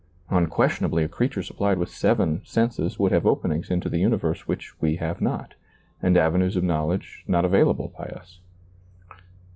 Un questionably a creature supplied with seven senses would have openings into the universe which we have not, and avenues of knowledge not available by us.